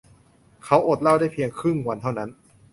เขาอดเหล้าได้เพียงครึ่งวันเท่านั้น